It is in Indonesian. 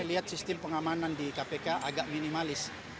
kita lihat sistem pengamanan di kpk agak minimalis